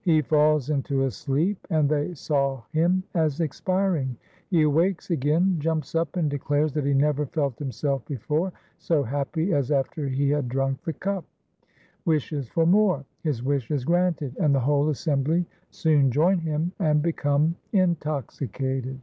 He falls into a sleep and they saw him as expiring. He awakes again, jumps up and declares that he never felt himself before so happy as after he had drank the cup. Wishes for more. His wish is granted and the whole assembly soon join him and become intoxicated.